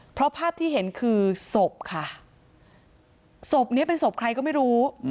เพราะภาพที่เห็นคือศพค่ะศพนี้เป็นศพใครก็ไม่รู้